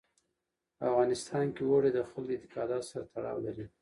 په افغانستان کې اوړي د خلکو د اعتقاداتو سره تړاو لري.